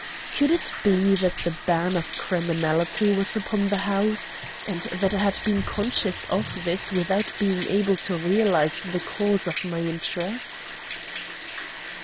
Could it be that the ban of criminality was upon the house, and that I had been conscious of this without being able to realize the cause of my interest?